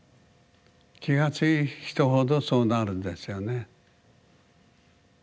気が強い人ほどそうなるんですよね。